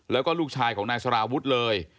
แล้วก็ลูกชายของนายสารวุฒิเลย